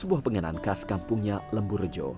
sebuah pengenaan khas kampungnya lemburjo